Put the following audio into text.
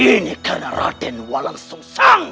ini karena raden walang sungsang